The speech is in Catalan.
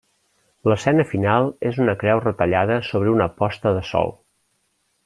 L'escena final és una creu retallada sobre una posta de sol.